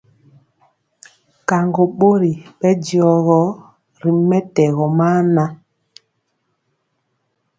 Kaŋgo bori bɛ diɔgɔ ri mɛtɛgɔ maa nan.